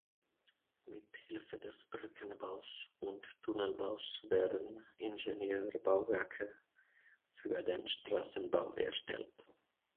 Mit Hilfe des Brückenbaus und Tunnelbaus werden Ingenieurbauwerke für den Straßenbau erstellt.